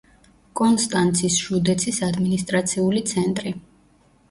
კონსტანცის ჟუდეცის ადმინისტრაციული ცენტრი.